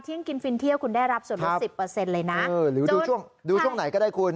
เที่ยงกินฟินเที่ยวคุณได้รับส่วนลดสิบเปอร์เซ็นต์เลยนะเออหรือดูช่วงดูช่วงไหนก็ได้คุณ